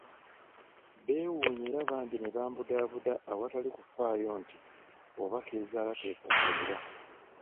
Beewuunya era bambi ne bambudaabuda awatali kufaayo nti oba k'ezaala k'ekomberera.